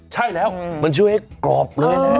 ใช่แล้วมันช่วยให้กรอบเลยนะ